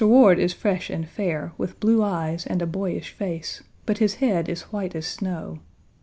Ward is fresh and fair, with blue eyes and a boyish face, but his head is white as snow.